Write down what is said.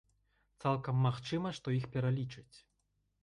Цалкам магчыма, што іх пералічаць.